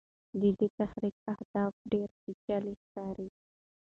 د دې تحریک اهداف ډېر پېچلي ښکاري.